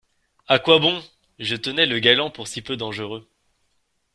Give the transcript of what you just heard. À quoi bon ! je tenais le galant pour si peu dangereux…